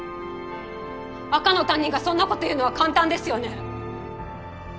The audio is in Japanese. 赤の他人がそんなこと言うのは簡単ですよね。